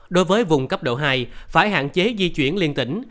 đối với vùng cấp độ hai phải hạn chế di chuyển liên tỉnh